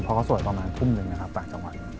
เพราะเขาสวยประมาณทุ่มหนึ่งนะครับต่างจังหวัด